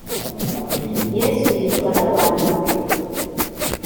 yesu yicwa nabantu be